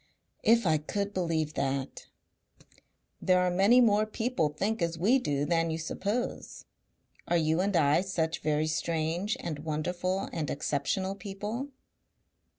"If I could believe that!" "There are many more people think as we do than you suppose. Are you and I such very strange and wonderful and exceptional people?"